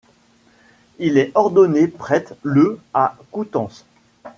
Il est ordonné prêtre le à Coutances.